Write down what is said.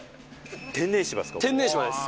天然芝です。